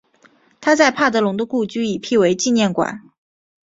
他在帕德龙的故居已辟为纪念馆。